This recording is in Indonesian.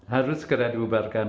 harus segera dibubarkan